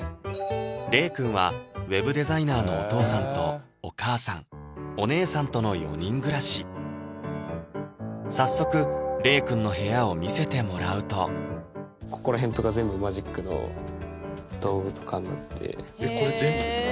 玲くんはＷＥＢデザイナーのお父さんとお母さんお姉さんとの４人暮らし早速玲くんの部屋を見せてもらうとここら辺とかえっこれ全部ですか？